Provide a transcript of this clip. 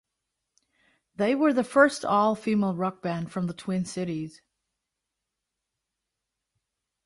They were the first all female rock band from the Twin Cities.